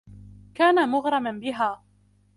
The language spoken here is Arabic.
كان مغرما بها.